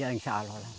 ya insya allah